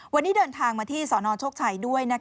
วันนี้เดินทางมาที่สนโชคชัยด้วย